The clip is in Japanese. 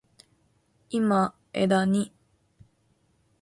今、技に…。